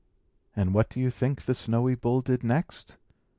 And what do you think the snowy bull did next?